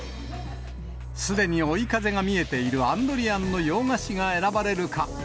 すでに追い風が見えているアンドリアンの洋菓子が選ばれるか。